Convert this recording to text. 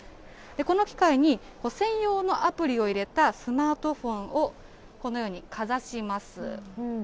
この機械に専用のアプリを入れたスマートフォンをこのようにかざします。